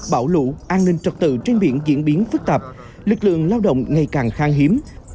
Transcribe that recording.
bão lũ an ninh trật tự trên biển diễn biến phức tạp lực lượng lao động ngày càng khang hiếm